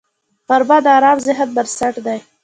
غرمه د ارام ذهن بنسټ دی